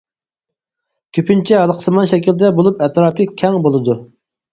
كۆپىنچە ھالقىسىمان شەكىلدە بولۇپ ئەتراپى كەڭ بولىدۇ.